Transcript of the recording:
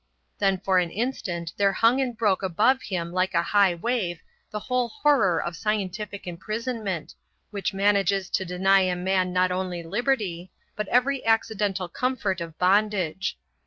Then for an instant there hung and broke above him like a high wave the whole horror of scientific imprisonment, which manages to deny a man not only liberty, but every accidental comfort of bondage.